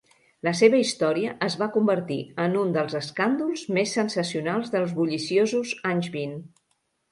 La seva història es va convertir en un dels "escàndols" més sensacionals dels bulliciosos anys vint.